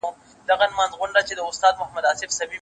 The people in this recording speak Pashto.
جهاني ډېر به دي غزل په تول د بوسو اخلي